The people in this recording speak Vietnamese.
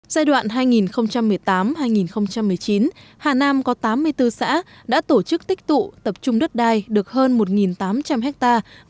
giai đoạn hai nghìn một mươi tám hai nghìn một mươi chín hà nam có tám mươi bốn xã đã tổ chức tích tụ tập trung đất đai được hơn một tám trăm linh hectare